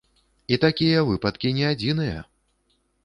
І такія выпадкі не адзіныя!